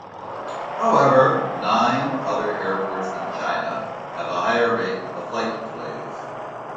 However, nine other airports in China have a higher rate of flight delays.